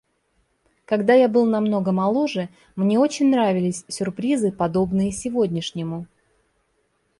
Когда я был намного моложе, мне очень нравились сюрпризы, подобные сегодняшнему.